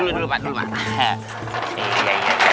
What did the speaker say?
dulu dulu pak